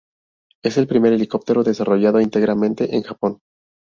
Es el primer helicóptero desarrollado íntegramente en Japón.